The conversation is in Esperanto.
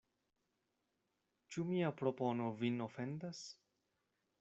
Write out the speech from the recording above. Ĉu mia propono vin ofendas?